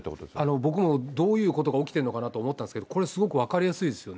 僕もどういうことが起きてるのかなと思ったんですけど、これ、すごく分かりやすいですよね。